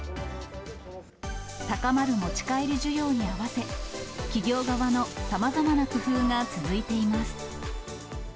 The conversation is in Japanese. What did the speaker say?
高まる持ち帰り需要に合わせ、企業側のさまざまな工夫が続いています。